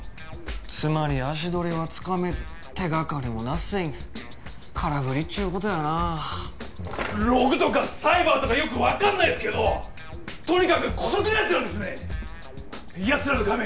つまり足取りはつかめず手がかりもナッシング空振りっちゅうことやなログとかサイバーとかよく分かんないっすけどとにかく姑息なやつらですねやつらの仮面